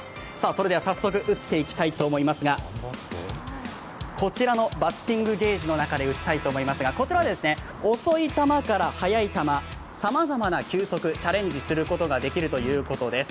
それでは早速打っていきたいと思いますがこちらのバッティングゲージの中で打ちたいと思いますが遅い球から速い球、さまざまな球速チャレンジすることができるということです。